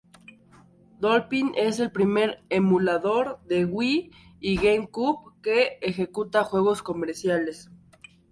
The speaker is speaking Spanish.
Dolphin es el primer emulador de Wii y GameCube que ejecuta juegos comerciales.